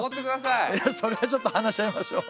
いやそれはちょっと話し合いましょう。